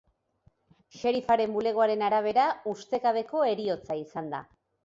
Sheriffaren bulegoaren arabera, ustekabeko heriotza izan da.